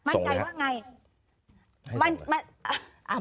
ส่งเลยครับ